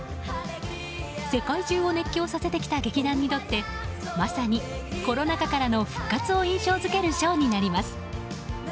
世界中を熱狂させてきた劇団にとってまさにコロナ禍からの復活を印象付けるショーになります。